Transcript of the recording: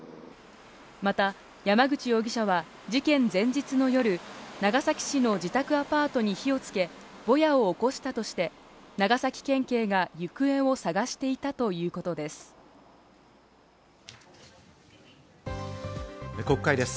また山口容疑者は事件前日の夜、長崎市の自宅アパートに火をつけボヤを起こしたとして長崎県警が行方を捜していたということです。